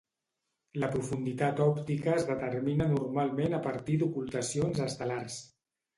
La profunditat òptica es determina normalment a partir d'ocultacions estel·lars.